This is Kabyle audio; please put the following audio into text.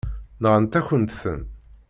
Nɣant-akent-ten.